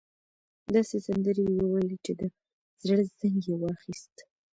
داسې سندرې يې وويلې چې د زړه زنګ يې واخيست.